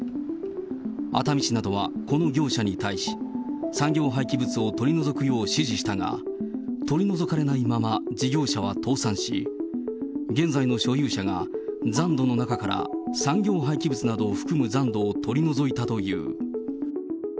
熱海市などはこの業者に対し、産業廃棄物を取り除くよう指示したが、取り除かれないまま事業者は倒産し、現在の所有者が残土の中から産業廃棄物などを含む残土を取り除いたという。